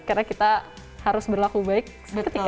karena kita harus berlaku baik seketika